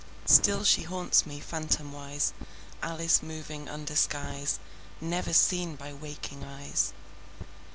Still she haunts me, phantomwise, Alice moving under skies Never seen by waking eyes.